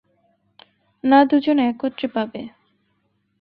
না দু জন একত্রে পাবে?